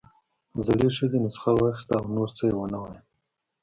زړې ښځې نسخه واخيسته او نور څه يې ونه ويل.